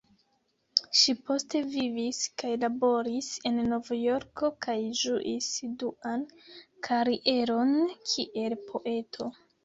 Ŝi poste vivis kaj laboris en Novjorko kaj ĝuis duan karieron kiel poeto.